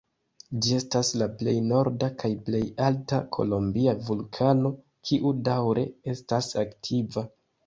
Ĝi estas la plej norda kaj plej alta kolombia vulkano, kiu daŭre estas aktiva.